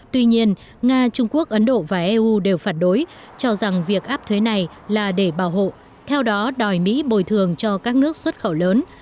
tuy nhiên nga trung quốc ấn độ và eu đều phản đối cho rằng việc áp thuế này là để bảo hộ theo đó đòi mỹ bồi thường cho các nước xuất khẩu lớn